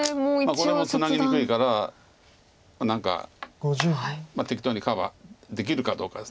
これもツナぎにくいから何か適当にカバーできるかどうかです。